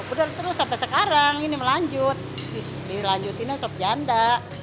udah terus sampai sekarang ini melanjut dilanjutinnya sobjanda